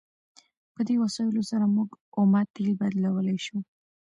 په دې وسایلو سره موږ اومه تیل بدلولی شو.